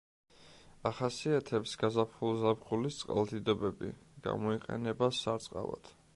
ახასიათებს გაზაფხულ-ზაფხულის წყალდიდობები, გამოიყენება სარწყავად.